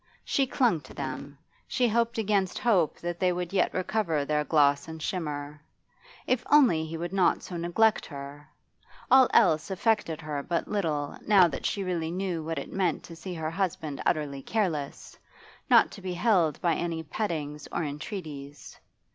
She clung to them, she hoped against hope that they would yet recover their gloss and shimmer. If only he would not so neglect her! All else affected her but little now that she really knew what it meant to see her husband utterly careless, not to be held by any pettings or entreaties.